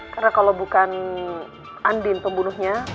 karena kalau bukan andin pembunuhnya